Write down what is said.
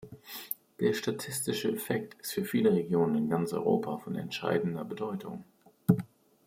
Der statistische Effekt ist für viele Regionen in ganz Europa von entscheidender Bedeutung.